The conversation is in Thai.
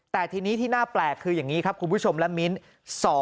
แต่ทีนี้ที่น่าแปลกคืออย่างนี้ครับคุณผู้ชมและมิ้น